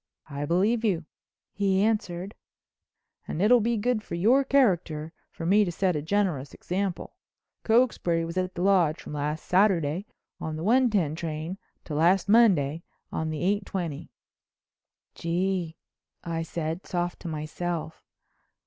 "I believe you," he answered, "and it'll be good for your character for me to set a generous example. Cokesbury was at the Lodge from last Saturday on the one ten train to last Monday on the eight twenty." "Gee!" I said, soft to myself.